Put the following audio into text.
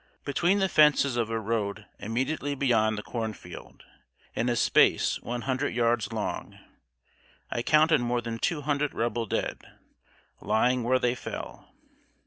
] Between the fences of a road immediately beyond the corn field, in a space one hundred yards long, I counted more than two hundred Rebel dead, lying where they fell.